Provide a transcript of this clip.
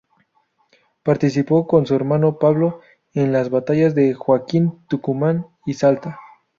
Participó, con su hermano Pablo, en las batallas de Huaqui, Tucumán y Salta.